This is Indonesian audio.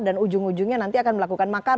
dan ujung ujungnya nanti akan melakukan makar